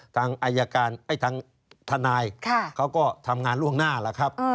ทางทนายเขาก็ทำงานล่วงหน้าแล้วครับ